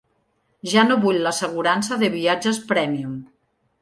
Ja no vull l'assegurança de viatges Premium.